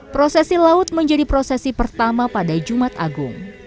prosesi laut menjadi prosesi pertama pada jumat agung